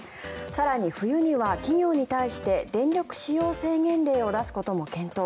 更に冬には企業に対して電力使用制限令を出すことも検討。